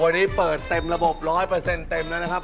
วันนี้เปิดเต็มระบบ๑๐๐เต็มแล้วนะครับ